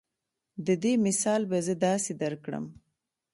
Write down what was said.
د دې مثال به زۀ داسې درکړم